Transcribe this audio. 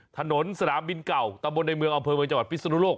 ถนนสนามบินเก่าตำบลในเมืองอำเภอบริษัทพิษนุโลก